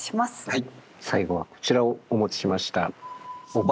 はい。